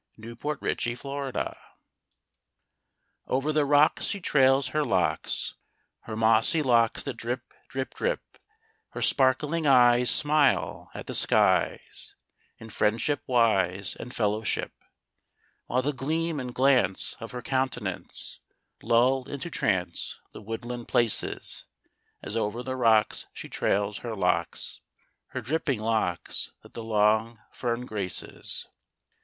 THE SPIRIT OF THE FOREST SPRING Over the rocks she trails her locks, Her mossy locks that drip, drip, drip: Her sparkling eyes smile at the skies In friendship wise and fellowship: While the gleam and glance of her countenance Lull into trance the woodland places, As over the rocks she trails her locks, Her dripping locks that the long fern graces.